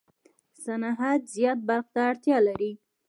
صنعت و زیات برق ته اړتیا لري.